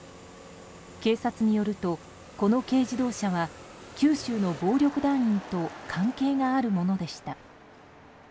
警察によると、この軽自動車は九州の暴力団員と関係があるものでした。